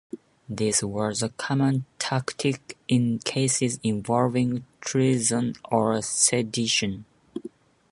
This was a common tactic in cases involving treason or sedition.